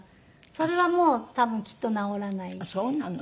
それはもう多分きっと治らないんですけども。